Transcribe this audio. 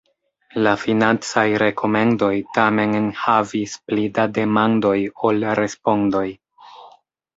La financaj rekomendoj tamen enhavis pli da demandoj ol respondoj.